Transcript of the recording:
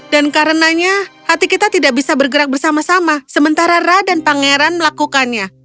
dan karenanya hati kita tidak bisa bergerak bersama sama sementara ra dan pangeran melakukannya